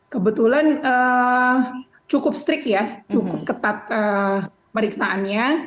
kebetulan cukup strict ya cukup ketat periksaannya